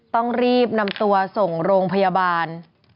ต้องรีบนำตัวส่งโรงพยาบาล